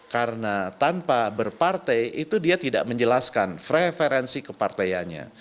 karena tanpa berpartai itu dia tidak menjelaskan preferensi kepartainya